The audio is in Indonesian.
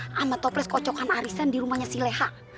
sama toples kocokan arisan di rumahnya si leha